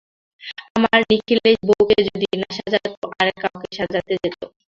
আমার নিখিলেশ বউকে যদি না সাজাত আর-কাউকে সাজাতে যেত।